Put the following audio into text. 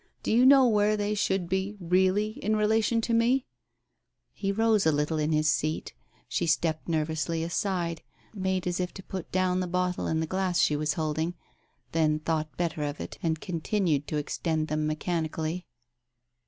Do you know where they should be, really, in relation to me ?" He rose a little in his seat — she stepped nervously aside, made as if to put down the bottle and the glass she was holding, then thought better of it and continued to extend them mechanically.